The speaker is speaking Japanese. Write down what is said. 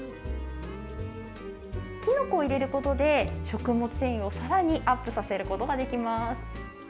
きのこを入れることで食物繊維をさらにアップさせることができます。